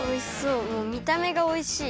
もうみためがおいしい。